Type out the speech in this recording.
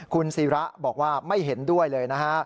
คุณศิระบอกว่าไม่เห็นด้วยเลยนะฮะ